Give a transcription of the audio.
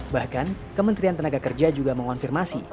bahkan kementerian tenaga kerja juga mengonfirmasi